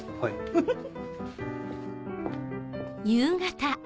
フフフ。